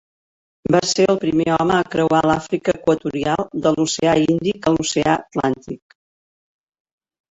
Va ser el primer home a creuar l'Àfrica Equatorial de l'oceà Índic a l'oceà Atlàntic.